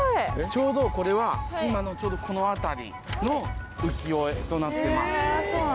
ちょうどこれは今のこの辺りの浮世絵となってます。